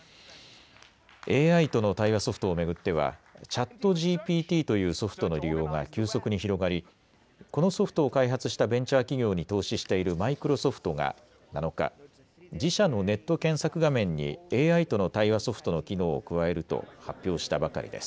ＡＩとの対話ソフトを巡ってはチャットＧＰＴというソフトの利用が急速に広がりこのソフトを開発したベンチャー企業に投資しているマイクロソフトが７日、自社のネット検索画面にＡＩとの対話ソフトの機能を加えると発表したばかりです。